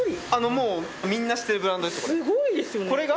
もうみんな知ってるブランドです。